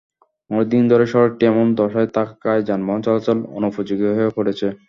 অনেক দিন ধরে সড়কটি এমন দশায় থাকায় যানবাহন চলাচল অনুপযোগী হয়ে পড়েছে।